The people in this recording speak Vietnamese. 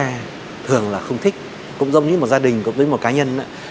chúng ta thường là không thích cũng giống như một gia đình cũng giống như một cá nhân